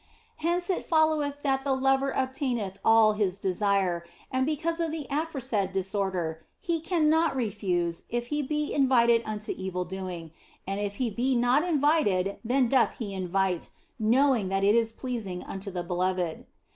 Hence it followeth that the lover obtaineth all his desire, and because of the aforesaid disorder he cannot refuse if he be invited unto evil doing ; and if he be not invited then doth he invite, knowing that it is pleasing unto the beloved.